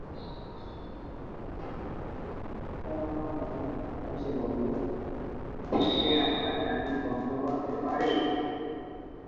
সরলা মলান হেসে বললে, তোমার সে রাস্তা কি আমি বন্ধ করতে পারি।